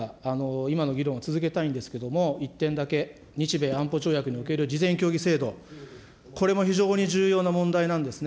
今の議論を続けたいんですけれども、１点だけ、日米安保条約における事前協議制度、これも非常に重要な問題なんですね。